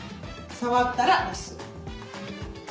触ったら押す。